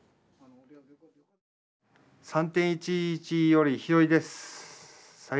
「３．１１よりひどいです斎